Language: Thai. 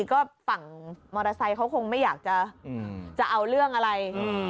ก็ฝั่งมอเตอร์ไซค์เขาคงไม่อยากจะเอาเรื่องอะไร